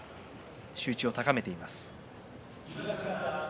集中を高めます。